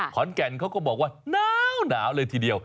ขอนแก่นเขาก็บอกว่าหนาวเลยทีเดียว